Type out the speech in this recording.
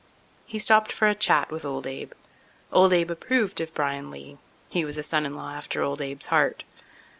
He stopped for a chat with old Abe. Old Abe approved of Bryan Lee. He was a son in law after old Abe's heart.